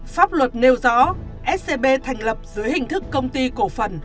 pháp luật nêu rõ scb thành lập dưới hình thức công ty cổ phần